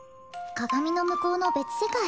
鏡の向こうの別世界